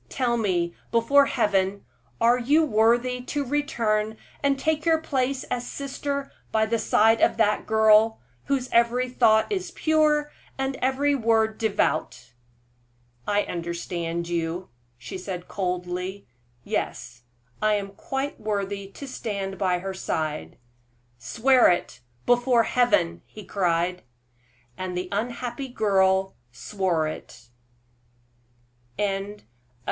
Tell me, before Heaven, are you worthy to return and take your place as sister by the side of that girl, whose every thought is pure, and every word devout?" "I understand you," she said, coldly. "Yes, I am quite worthy to stand by her side." "Swear it, before Heaven!" he cried. And the unhappy girl swore it! CHAPTER XLV.